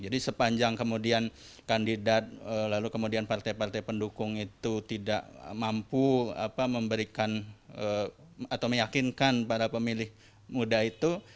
jadi sepanjang kemudian kandidat lalu kemudian partai partai pendukung itu tidak mampu memberikan atau meyakinkan para pemilih muda itu